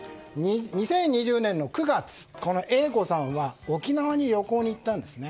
２０２０年の９月、Ａ子さんは沖縄に旅行に行ったんです。